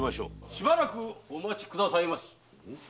しばらくお待ちくださいませ。